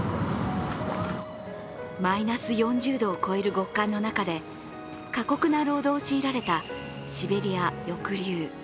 マイナス４０度を超える極寒の中で、過酷な労働を強いられたシベリア抑留。